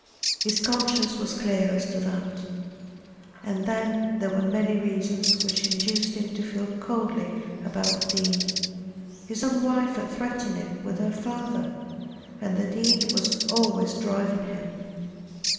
His conscience was clear as to that. And then there were many reasons which induced him to feel coldly about the Dean. His own wife had threatened him with her father. And the Dean was always driving him.